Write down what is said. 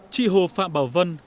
chị hồ phạm bảo vân